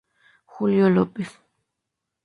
Julio López.